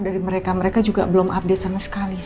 dari mereka mereka juga belum update sama sekali